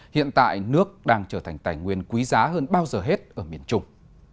hiện tại nước đang trở thành tài nguyên quý giá hơn bao giờ hết ở miền trung